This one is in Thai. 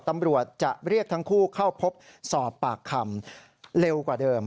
ตำรวจจะเรียกทั้งคู่เข้าพบสอบปากคำเร็วกว่าเดิม